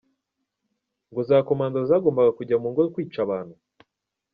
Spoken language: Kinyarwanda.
ngo za commando zagombaga kujya mu ngo kwica abantu ?